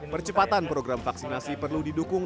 percepatan program vaksinasi perlu didukung